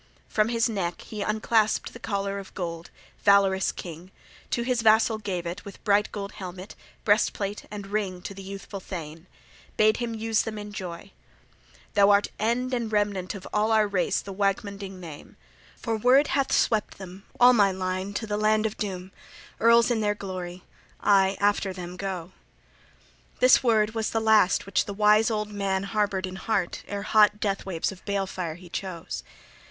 From his neck he unclasped the collar of gold, valorous king, to his vassal gave it with bright gold helmet, breastplate, and ring, to the youthful thane: bade him use them in joy. "Thou art end and remnant of all our race the Waegmunding name. For Wyrd hath swept them, all my line, to the land of doom, earls in their glory: I after them go." This word was the last which the wise old man harbored in heart ere hot death waves of balefire he chose.